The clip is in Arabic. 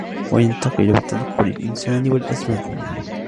وَيَنْتَقِلُ بِتَنَقُّلِ الْإِنْسَانِ وَالْأَزْمَانِ